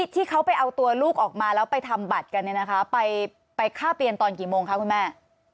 ที่เขาไปเอาตัวลูกออกมาแล้วไปทำบัตรกันไปค่าเปลี่ยนตอนกี่โมงคะคุณแม่